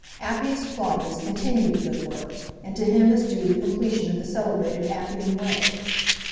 Appius Claudius continued the good work, and to him is due the completion of the celebrated Appian Way.